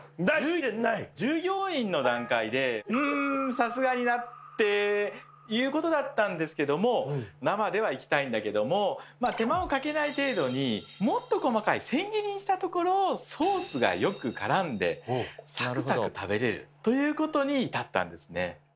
従業員の段階で「うんさすがにな」っていうことだったんですけども生ではいきたいんだけども手間をかけない程度にもっと細かい千切りにしたところソースがよく絡んでサクサク食べれるということに至ったんですね。